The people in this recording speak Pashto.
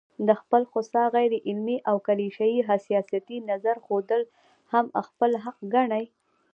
د خپل خوسا، غيرعلمي او کليشه يي حساسيتي نظر ښودل هم خپل حق ګڼي